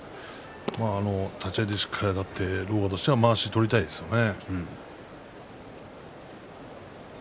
立ち合いしっかりあたって、狼雅としてはまわしを取りたいですよね。